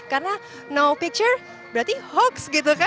karena no picture berarti hoax gitu kan